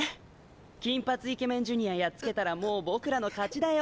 金髪イケメンジュニアやっつけたらもう僕らの勝ちだよ。